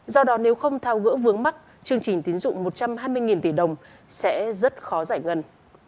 do đó nếu không thao gỡ vướng mắt chương trình tín dụng một trăm hai mươi tỷ đồng sẽ rất khó giải ngân